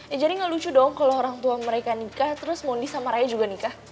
ya jadi gak lucu dong kalau orang tua mereka nikah terus mondi sama raya juga nikah